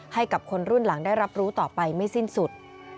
ให้กับคนรุ่นหลังได้รับรู้ต่อไปไม่สิ้นสุด